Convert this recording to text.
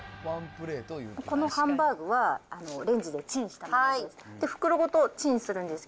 このハンバーグはレンジでチンしたものです。